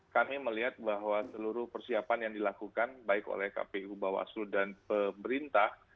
kami melihat bahwa seluruh persiapan yang dilakukan baik oleh kpu bawaslu dan pemerintah